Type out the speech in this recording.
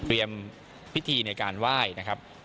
เตรียมพิธีในการไหว้นะครับ